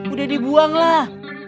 udah dibuang lah